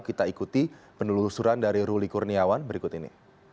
kita ikuti penelusuran dari ruli kurniawan berikut ini